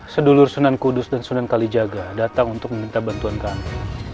sedulur sunan kudus dan sunan kalijaga datang untuk meminta bantuan kami